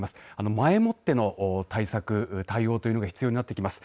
前もっての対策、対応というのが必要になってきます。